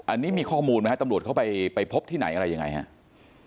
อันนี้มีข้อมูลไหมครับตำรวจเข้าไปพบที่ไหนอะไรยังไงครับ